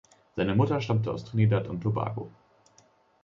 Seine Mutter stammte aus Trinidad und Tobago.